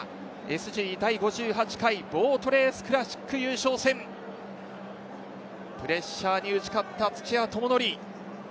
ＳＧ第５８回ボートレースクラシック優勝戦、プレッシャーに打ち勝った土屋智則。